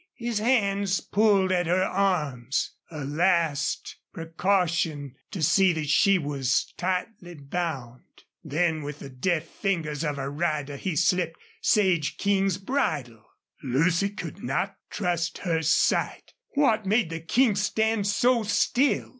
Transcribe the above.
His hands pulled at her arms a last precaution to see that she was tightly bound. Then with the deft fingers of a rider he slipped Sage King's bridle. Lucy could not trust her sight. What made the King stand so still?